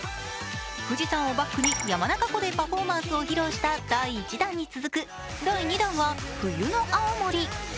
富士山をバックに山中湖でパフォーマンスを披露した第１弾に続く第２弾は冬の青森。